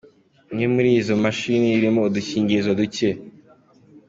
Imwe muri izo mashini irimo udukingirizo duke.